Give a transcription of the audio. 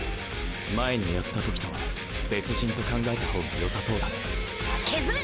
前にやった時とは別人と考えたほうがよさそうだねケズル！